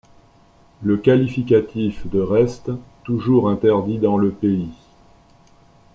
Le qualificatif de reste toujours interdit dans le pays.